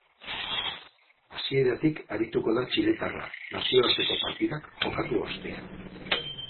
Hasieratik arituko da txiletarra nazioarteko partidak jokatu ostean.